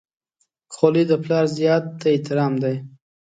خولۍ د پلار یاد ته احترام دی.